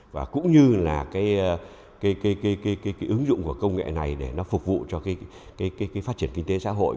và cũng như là cái ứng dụng của công nghệ này để nó phục vụ cho cái phát triển kinh tế xã hội